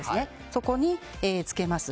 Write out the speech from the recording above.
そこにつけます。